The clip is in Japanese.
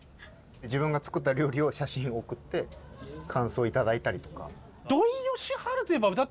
自分が作った料理を写真を送って感想をいただいたりとか。